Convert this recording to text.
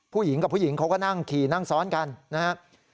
ผู้หญิงกับผู้หญิงเขาก็นั่งขี่นั่งซ้อนกันนะครับ